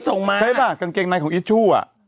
ใช่มั้ยกางกรรมนายของอิชูอ่ะ